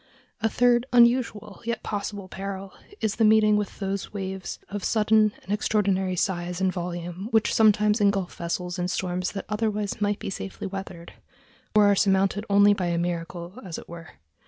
A third unusual, yet possible, peril is the meeting with those waves of sudden and extraordinary size and volume which sometimes engulf vessels in storms that otherwise might be safely weathered, or are surmounted only by a miracle, as it were.